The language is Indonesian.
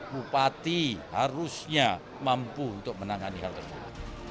bupati harusnya mampu untuk menangani hal tersebut